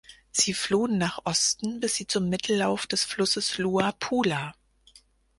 Sie flohen nach Osten, bis sie zum Mittellauf des Flusses Luapula.